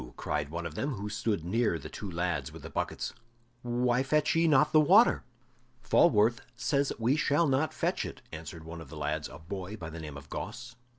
cried one of them, who stood near the two lads with the buckets. "Why fetch ye not the water?" "Falworth says we shall not fetch it," answered one of the lads, a boy by the name of Gosse.